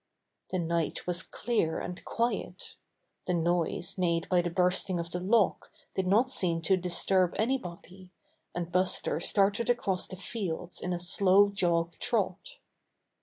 The night was clear and quiet. The noise made by the bursting of the lock did not seem to disturb anybody, and Buster started across the fields in a slow jog trot.